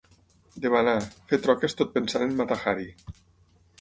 Debanar, fer troques tot pensant en Mata-Hari.